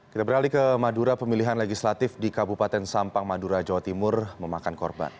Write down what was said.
kita beralih ke madura pemilihan legislatif di kabupaten sampang madura jawa timur memakan korban